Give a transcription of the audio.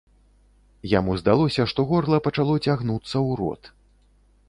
Яму здалося, што горла пачало цягнуцца ў рот.